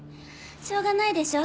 しょうがないでしょ？